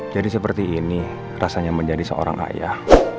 jadi seperti ini rasanya menjadi seorang ayah